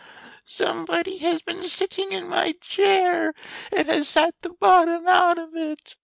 '' Somebody has been sitting in my chair, and has sat the bottom out of it!"